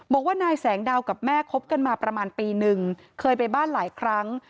บอกว่านายแสงดาวกับแม่คบกันมาประมาณปีนึงเคยไปบ้านหลายครั้ง